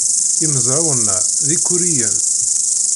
Imezrawen-a d ikuriyen.